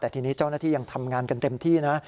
แต่ทีนี้เจ้าหน้าที่ยังทำงานกันเต็มที่นะ